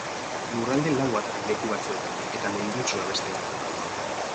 Lurralde laua da leku batzuetan eta menditsua besteetan.